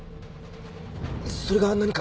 それが何か？